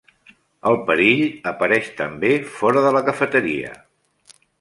El perill apareix també fora de la cafeteria.